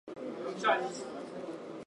یہی معاملہ سیاست کا بھی ہے۔